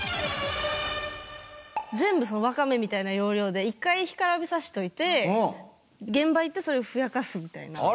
全部そのワカメみたいな要領で一回干からびさしといて現場行ってそれをふやかすみたいな。